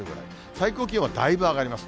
最高気温はだいぶ上がります。